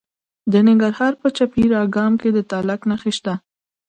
د ننګرهار په پچیر اګام کې د تالک نښې شته.